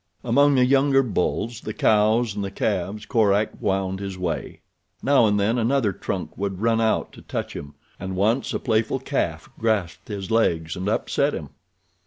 Among the younger bulls, the cows and the calves Korak wound his way. Now and then another trunk would run out to touch him, and once a playful calf grasped his legs and upset him.